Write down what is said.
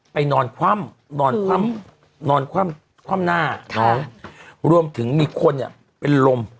ไปนอนคว่ำนอนคว่ำหน้ารวมถึงมีคนเนี่ยเป็นลม